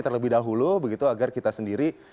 terlebih dahulu begitu agar kita sendiri